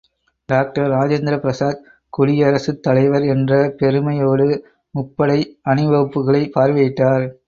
Doctor Rajendra Prasad குடியரசுத் தலைவர் என்ற பெருமையோடு முப்படை அணிவகுப்புக்களைப் பார்வையிட்டார்.